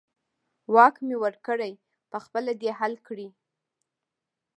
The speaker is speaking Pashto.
واک مې ورکړی، په خپله دې حل کړي.